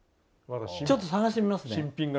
ちょっと探してみますね。